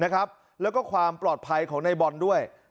แล้วก็ความปลอดภัยของในบอลด้วย